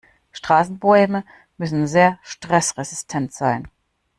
Straßenbäume müssen sehr stressresistent sein.